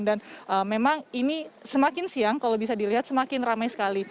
dan memang ini semakin siang kalau bisa dilihat semakin ramai sekali